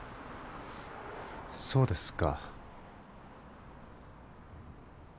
そうですか。